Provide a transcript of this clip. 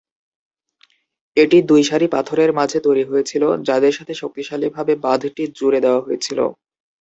এটি দুই সারি পাথরের মাঝে তৈরী হয়েছিল, যাদের সাথে শক্তিশালী ভাবে বাঁধ টি জুড়ে দেয়া হয়েছিল।